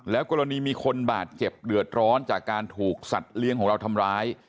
กรณีมีคนบาดเจ็บเดือดร้อนจากการถูกสัตว์เลี้ยงของเราทำร้าย